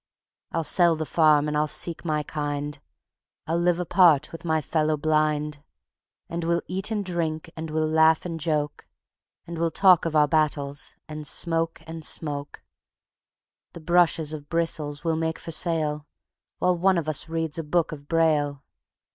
I'll sell the farm and I'll seek my kind, I'll live apart with my fellow blind, And we'll eat and drink, and we'll laugh and joke, And we'll talk of our battles, and smoke and smoke; And brushes of bristle we'll make for sale, While one of us reads a book of Braille.